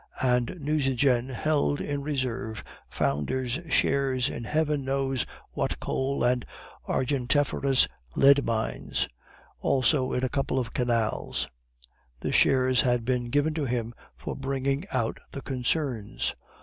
And Nucingen held in reserve founders' shares in Heaven knows what coal and argentiferous lead mines, also in a couple of canals; the shares had been given to him for bringing out the concerns.